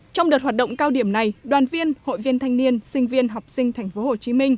trong đợt hoạt động cao điểm này đoàn viên hội viên thanh niên sinh viên học sinh tp hcm